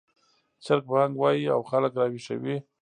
چرګ بانګ وايي او خلک راویښوي